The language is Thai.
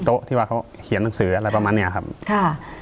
ที่ว่าเขาเขียนหนังสืออะไรประมาณเนี้ยครับค่ะ